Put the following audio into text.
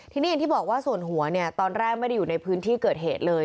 ทีนี้อย่างที่บอกว่าส่วนหัวเนี่ยตอนแรกไม่ได้อยู่ในพื้นที่เกิดเหตุเลย